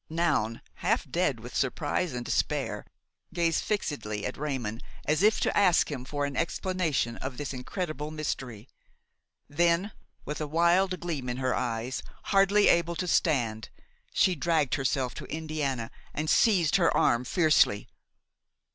Noun, half dead with surprise and despair, gazed fixedly at Raymon as if to ask him for an explanation of this incredible mystery. Then, with a wild gleam in her eyes, hardly able to stand, she dragged herself to Indiana and seized her arm fiercely.